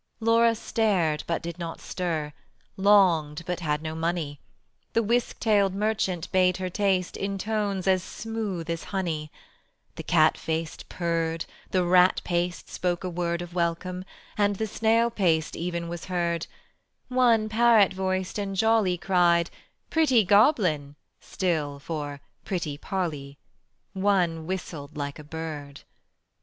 Laura stared but did not stir, Longed but had no money: The whisk tailed merchant bade her taste In tones as smooth as honey, The cat faced purr'd, The rat paced spoke a word Of welcome, and the snail paced even was heard; One parrot voiced and jolly Cried "Pretty Goblin" still for "Pretty Polly"; One whistled like a bird.